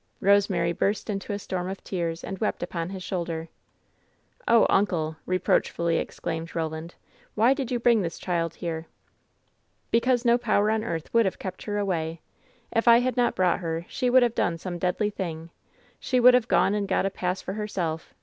Eosemary burst into a storm of tears and wept upon his shoulder. "Oh, uncle !" reproachfully exclaimed Eoland, "why did you bring this child here ?" "Because no power on earth would have kept her away ! If I had not brought her, she would have done some deadly thing ! She would have gone and got a pass for herself.